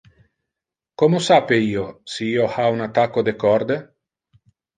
Como sape io si io ha un attacco de corde?